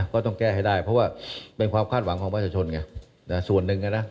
ก็ต้องแก้ให้ได้เพราะว่าเป็นความคาดหวังของประชาชนไงส่วนหนึ่งนะ